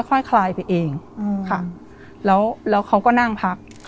ค่อยคลายไปเองค่ะแล้วแล้วเขาก็นั่งพัก